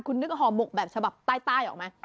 คุณนึกห่อหมกแบบฉบับใต้ออกไหม